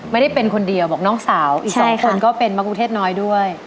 ไม่ได้เป็นคนเดียวบอกน้องสาวอีกสองคนก็เป็นมะกุเทศน้อยด้วย